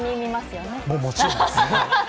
もちろんです。